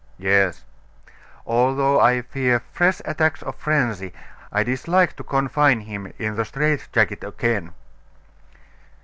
"Yes." "Although I fear fresh attacks of frenzy, I dislike to confine him in the strait jacket again."